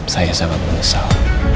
saya sangat menyesal